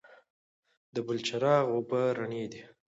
د بلچراغ اوبه رڼې دي